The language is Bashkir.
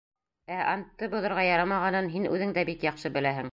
Ә антты боҙорға ярамағанын һин үҙең дә бик яҡшы беләһең.